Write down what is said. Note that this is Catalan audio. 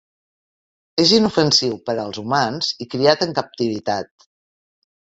És inofensiu per als humans i criat en captivitat.